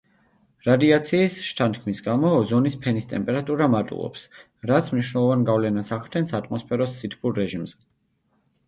რადიაციის შთანთქმის გამო ოზონის ფენის ტემპერატურა მატულობს, რაც მნიშვნელოვან გავლენას ახდენს ატმოსფეროს სითბურ რეჟიმზე.